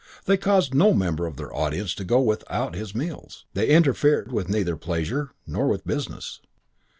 They caused no member of their audience to go without his meals. They interfered neither with pleasure nor with business.